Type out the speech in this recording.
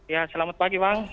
ya selamat pagi bang